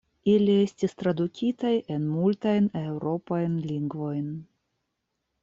Ili estis tradukitaj en multajn eŭropajn lingvojn.